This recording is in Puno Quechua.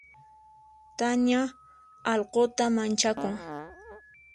Tania allquta manchakun.